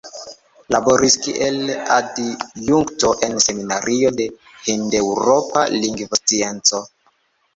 Laboris kiel adjunkto en Seminario de Hindeŭropa Lingvoscienco.